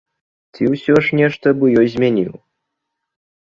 Ці ўсё ж нешта б у ёй змяніў?